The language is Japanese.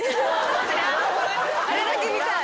あれだけ見たい。